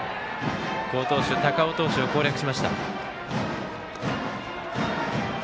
好投手、高尾投手を攻略しました。